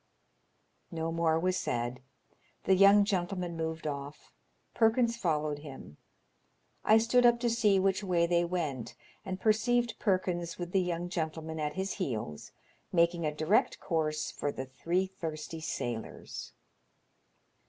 No more was said. The young gentleman, moved off. Perkins followed him. I stood up to see which way they went, and perceived Perkins with the young gentleman at his heels making a direct course for the Three Thirsty Sailors.